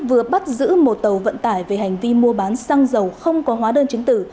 vừa bắt giữ một tàu vận tải về hành vi mua bán xăng dầu không có hóa đơn chứng tử